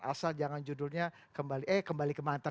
asal jangan judulnya kembali ke mantar